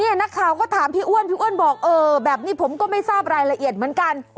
นักข่าวก็ถามพี่อ้วนพี่อ้วนบอกเออแบบนี้ผมก็ไม่ทราบรายละเอียดเหมือนกัน